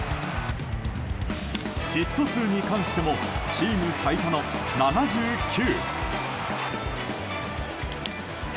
ヒット数に関してもチーム最多の７９。